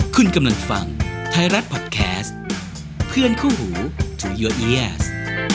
คุณกำลังฟังไทยรัฐพอดแคสต์เพื่อนครูถูยอเอเอแยสต์